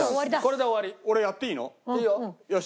俺やっていいの？よし。